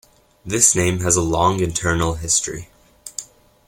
This name has a long internal history.